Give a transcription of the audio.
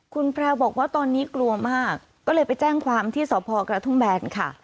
คุณแพรวบอกว่าตอนนี้กลัวมากก็เลยไปแจ้งความที่สพกระทุ่มแบนค่ะ